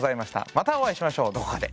またお会いしましょうどこかで。